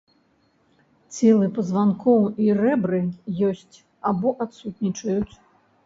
Целы пазванкоў і рэбры ёсць або адсутнічаюць.